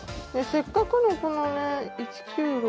せっかくのこのね１９６９。